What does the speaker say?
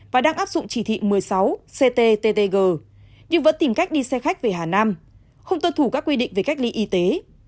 và đang áp dụng chỉ thị một mươi sáu cttg nhưng vẫn tìm cách đi xe khách về hà nam không tuân thủ các quy định về cách ly y tế